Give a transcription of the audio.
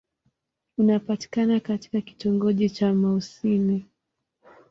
Unapatikana katika kitongoji cha Mouassine.